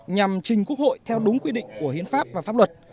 nhằm trình quốc hội theo đúng quy định của hiến pháp và pháp luật